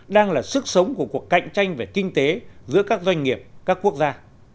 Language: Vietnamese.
đang là sức sống của cuộc cạnh tranh về kinh tế giữa các doanh nghiệp các quốc gia